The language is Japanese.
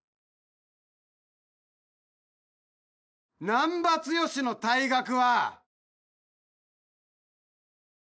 難破剛の退学は。